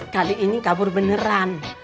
kali ini kabur beneran